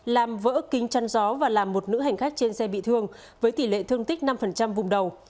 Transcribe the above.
làm vỡ kính chăn gió và làm một nữ hành khách trên xe bị thương với tỷ lệ thương tích năm vùng đầu